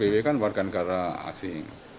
sby kan warga negara asing